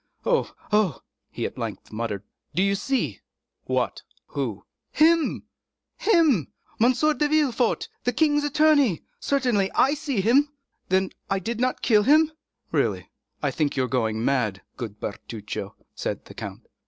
"Oh, oh!" he at length muttered, "do you see?" "What? Who?" "Him!" "Him!—M. de Villefort, the king's attorney? Certainly I see him." "Then I did not kill him?" "Really, I think you are going mad, good Bertuccio," said the count.